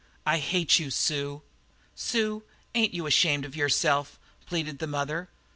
"I hate you, Sue!" "Sue, ain't you ashamed of yourself?" pleaded the mother.